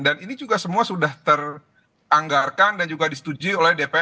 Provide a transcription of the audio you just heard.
dan ini juga semua sudah teranggarkan dan juga disetujui oleh dpr